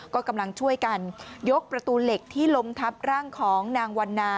ก็กำลังช่วยกันยกประตูเหล็กที่ล้มทับร่างของนางวันนา